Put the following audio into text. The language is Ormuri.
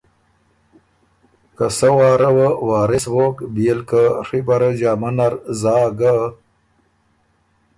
که سۀ واره وه وارث ووک بيې ل که ڒی بره جامه نر زا ګۀ،